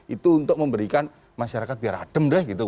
itu untuk memberikan masyarakat biar adem